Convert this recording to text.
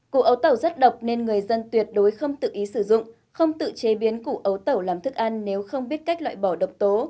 cụ ấu tẩu rất độc nên người dân tuyệt đối không tự ý sử dụng không tự chế biến củ ấu tẩu làm thức ăn nếu không biết cách loại bỏ độc tố